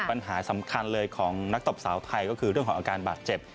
ปัญหาสำคัญเลยของนักตบสาวไทยก็คือเรื่องของอาการบาดเจ็บ